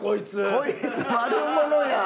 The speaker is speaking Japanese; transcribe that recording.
こいつ悪者やん。